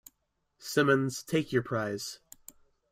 Simmons, take your prize.